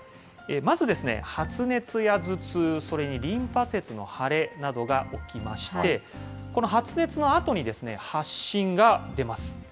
まず、発熱や頭痛、それにリンパ節の腫れなどが起きまして、この発熱のあとに、発疹が出ます。